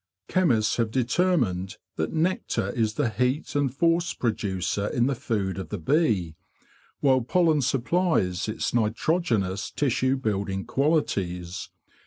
Chemists have determined that nectar is the heat and force producer in the food of the bee, while pollen supplies its nitrogenous tissue building qualities.